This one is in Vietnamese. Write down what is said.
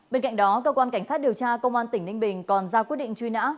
bên cạnh đó cơ quan cảnh sát điều tra công an tỉnh ninh bình còn ra quyết định truy nã